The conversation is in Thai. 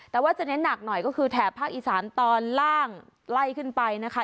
แต่ว่าจะเน้นหนักหน่อยก็คือแถบภาคอีสานตอนล่างไล่ขึ้นไปนะคะ